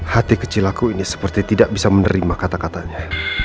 hati kecil aku ini seperti tidak bisa menerima kata katanya